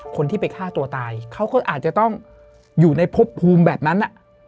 คนที่ไปฆ่าตัวตายเขาก็อาจจะต้องอยู่ในพบภูมิแบบนั้น